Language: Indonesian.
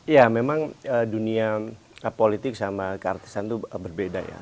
ya memang dunia politik sama keartisan itu berbeda ya